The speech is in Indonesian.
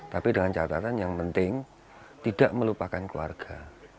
tapi dengan catatan yang penting tidak melupakan keluarga